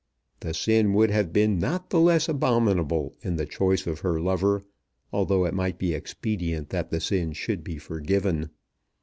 The sin would have been not the less abominable in the choice of her lover, although it might be expedient that the sin should be forgiven.